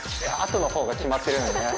あとのほうが決まってる。